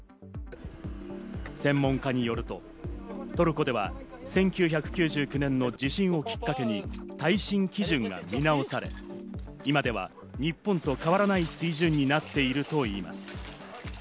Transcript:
専門家によると、トルコでは１９９９年の地震をきっかけに耐震基準が見直され、今では日本と変わらない水準になっているといいます。